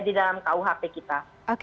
di dalam kuhp kita